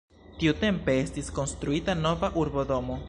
Tiutempe estis konstruita nova urbodomo.